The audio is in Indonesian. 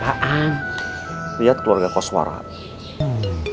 pernah kamu lihat keluarga koswaran ibu